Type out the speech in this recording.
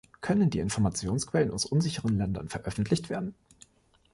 Können die Informationsquellen aus unsicheren Ländern veröffentlicht werden?